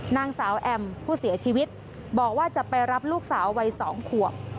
นางสาวแอมผู้เสียชีวิตบอกว่าจะไปรับลูกสาววัย๒ขวบ